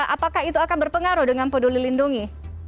apakah itu akan berpengaruh dengan peduli lindungi